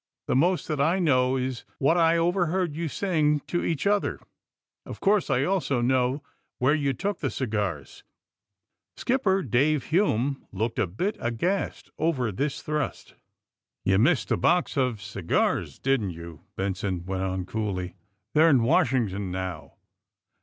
'^The most that I know is what I overheard you saying to each other. Of course I also know where you took the cigars." Skipper Dave Hume looked a bit aghast over this thrust. 232 THE SUBMAEINE BOYS Yoii missed a box of cigars, didn't you?" Benson went on coolly. They 're in Washing ton now.'